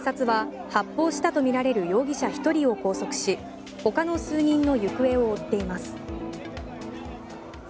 警察は発砲したとみられる容疑者１人を拘束し他の数人の行方を追っています。